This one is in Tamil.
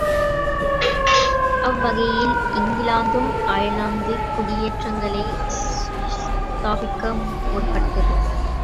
அவ்வகையில் இங்கிலாந்தும் அயர்லாந்திற் குடியேற்றங்களைத் ஸ்தாபிக்க முற்பட்டது.